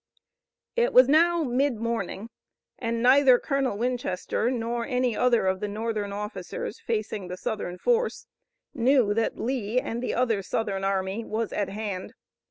It was now mid morning, and neither Colonel Winchester nor any other of the Northern officers facing the Southern force knew that Lee and the other Southern army was at hand.